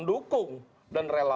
hukum yang ada